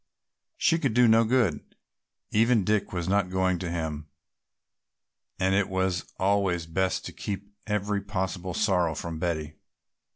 She could do no good; even Dick was not going to him, and it was always best to keep every possible sorrow from Betty.